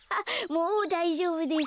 もうだいじょうぶです。